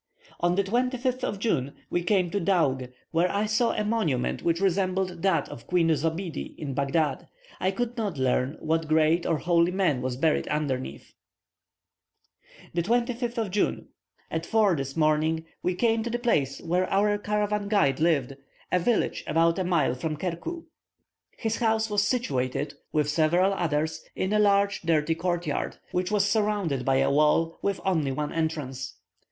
On the 25th of June, we came to Daug, where I saw a monument which resembled that of Queen Zobiede in Baghdad. I could not learn what great or holy man was buried under it. 25th June. At 4 this morning we came to the place where our caravan guide lived, a village about a mile from Kerku. His house was situated, with several others, in a large dirty court yard, which was surrounded by a wall with only one entrance.